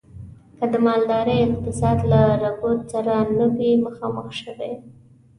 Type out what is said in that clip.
که د مالدارۍ اقتصاد له رکود سره نه وی مخامخ شوی.